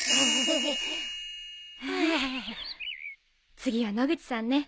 次は野口さんね。